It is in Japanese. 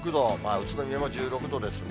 宇都宮も１６度ですね。